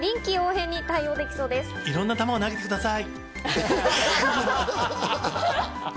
いろんな球を投げてください。